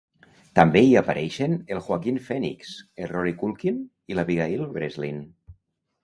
També hi apareixen el Joaquin Phoenix, el Rory Culkin i l'Abigail Breslin.